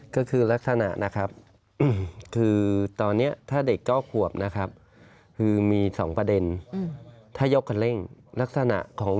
ก็คือลักษณะนะครับคือตอนเนี่ยถ้าเด็กเก้าขวบนะครับคือมี๒ประเด็น